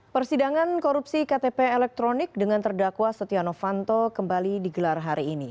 persidangan korupsi ktp elektronik dengan terdakwa setia novanto kembali digelar hari ini